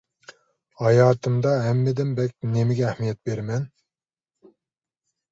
ھاياتىمدا ھەممىدىن بەك نېمىگە ئەھمىيەت بېرىمەن؟